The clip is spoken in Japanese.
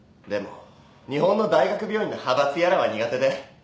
でも日本の大学病院の派閥やらは苦手で。